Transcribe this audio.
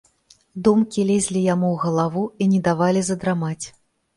Думкі лезлі яму ў галаву і не давалі задрамаць.